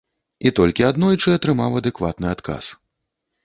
І толькі аднойчы атрымаў адэкватны адказ.